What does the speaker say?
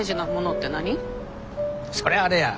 そりゃあれや！